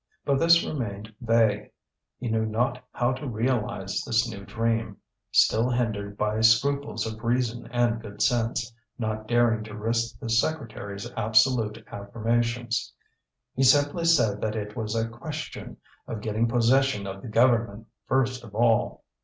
But this remained vague; he knew not how to realize this new dream, still hindered by scruples of reason and good sense, not daring to risk the secretary's absolute affirmations. He simply said that it was a question of getting possession of the government first of all.